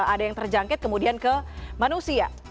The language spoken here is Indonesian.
ada yang terjangkit kemudian ke manusia